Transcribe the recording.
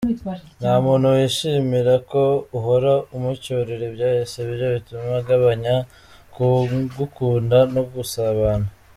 Nta muntu wishimira ko uhora umucyurira ibyahise, ibyo bituma agabanya ku gukunda no gusabana.